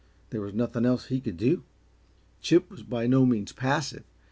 There was nothing else that he could do. Chip was by no means passive.